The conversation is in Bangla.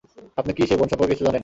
আপনি কি সেই বন সম্পর্কে কিছু জানেন?